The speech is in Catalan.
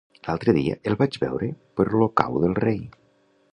L'altre dia el vaig veure per Olocau del Rei.